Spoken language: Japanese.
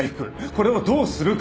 これをどうするか。